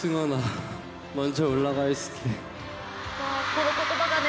この言葉がね。